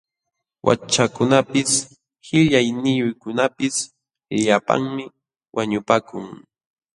Wakchakunapis qillayniyuqkunapis llapanmi wañupakun.